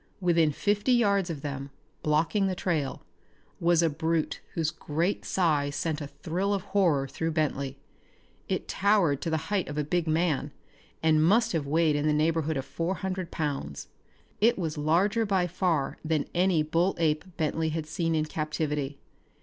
Within fifty yards of them, blocking the trail, was a brute whose great size sent a thrill of horror through Bentley. It towered to the height of a big man, and must have weighed in the neighborhood of four hundred pounds. It was larger by far than any bull ape Bentley had seen in captivity.